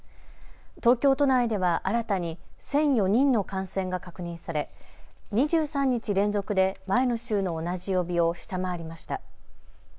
東京都内では新たに１００４人の感染が確認され２３日連続で前の週の同じ曜日を下回りました。